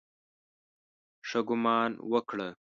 ښه ګومان وکړه.